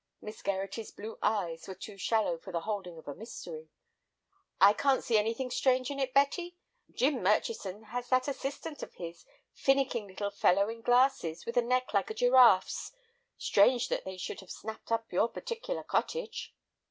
Miss Gerratty's blue eyes were too shallow for the holding of a mystery. "I can't see anything strange in it, Betty. Jim Murchison has that assistant of his, a finnicking little fellow in glasses, with a neck like a giraffe's. Strange that they should have snapped up your particular cottage."